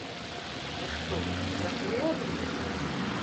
Вы што, уцяклі ад іх?